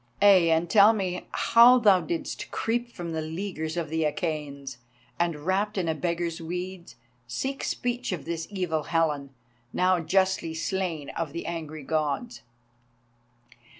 Ay, and tell me how thou didst creep from the leaguer of the Achæans, and, wrapped in a beggar's weeds, seek speech of this evil Helen, now justly slain of the angry Gods."